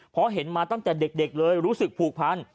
เพราะเห็นมาตั้งแต่เด็กเลยรู้สึกผูกพัน